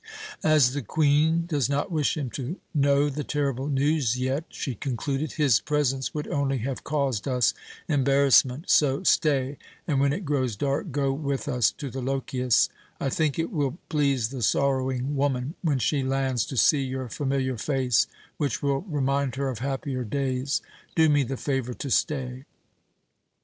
"As the Queen does not wish him to know the terrible news yet," she concluded, "his presence would only have caused us embarrassment. So stay, and when it grows dark go with us to the Lochias. I think it will please the sorrowing woman, when she lands, to see your familiar face, which will remind her of happier days. Do me the favour to stay."